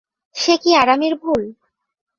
সে কি আরামের ভুল!